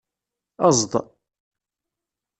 Ezḍ.